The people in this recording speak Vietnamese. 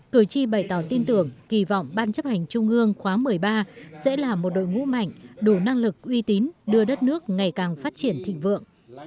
cử tri bày tỏ tin tưởng kỳ vọng ban chấp hành trung ương khóa một mươi ba sẽ là một đội ngũ mạnh đủ năng lực uy tín đưa đất nước ngày càng phát triển thịnh vượng